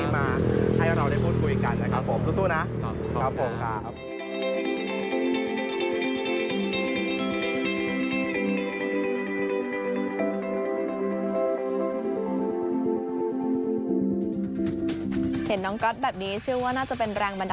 มันทุกอย่างมันเติมเต็ม